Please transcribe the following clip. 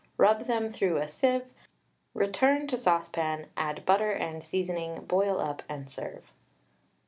Rub them through a sieve, return to saucepan, add butter and seasoning, boil up and serve.